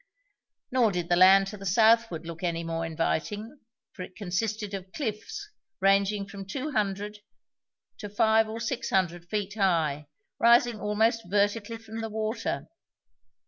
Nor did the land to the southward look any more inviting, for it consisted of cliffs ranging from two hundred to five or six hundred feet high, rising almost vertically from the water.